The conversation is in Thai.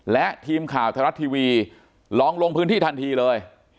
และทีมข่าวไทยรัฐทีวีลองลงพื้นที่ทันทีเลย